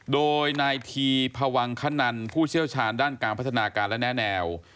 โดยนายทีพวังขนันผู้เชี่ยวชาญด้านการพัฒนาการและแนะแนว